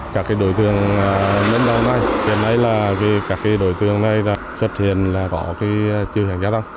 các đối tượng lên đầu này hiện nay là các đối tượng này xuất hiện là có chư hành gia tăng